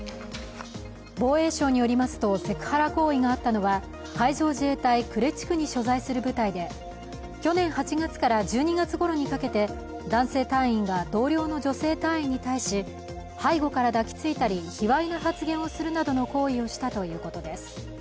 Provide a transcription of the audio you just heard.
防衛省によりますと、セクハラ行為があったのは海上自衛隊、呉地区に所在する部隊で去年８月から１２月ごろにかけて男性隊員が同僚の女性隊員に対し背後から抱きついたり卑わいな発言をするなどの行為をしたということです。